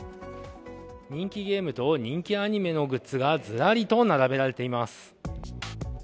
人気ゲームと人気アニメのグッズがずらりと並べられていてます。